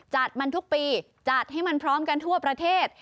จัดมันทุกปีจัดให้มันพร้อมกันทั่วประเทศ